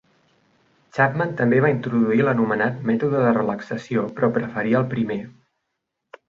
Chapman també va introduir l'anomenat "mètode de relaxació", però preferia el primer.